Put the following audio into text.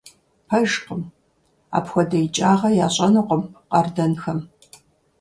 Пэжкъым! Апхуэдэ икӀагъэ ящӀэнукъым къардэнхэм!